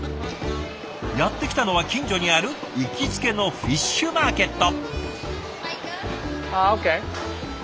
やって来たのは近所にある行きつけのフィッシュマーケット。